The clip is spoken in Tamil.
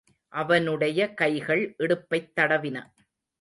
அவனுடைய கைகள் இடுப்பைத் தடவின.